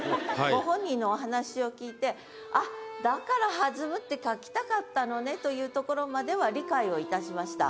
ご本人のお話を聞いてあっだから「はずむ」って書きたかったのねというところまでは理解をいたしました。